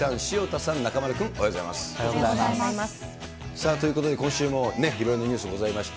さあ、ということで今週もいろんなニュースございました。